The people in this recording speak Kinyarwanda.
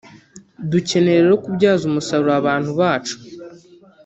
dukeneye rero kubyaza umusaruro abantu bacu